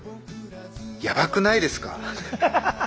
やばくないですか？